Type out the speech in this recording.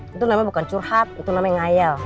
itu namanya bukan curhat itu namanya ngayal